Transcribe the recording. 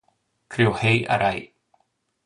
Ryohei Arai